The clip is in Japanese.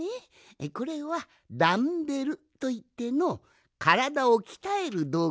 これはダンベルといってのからだをきたえるどうぐなんじゃ。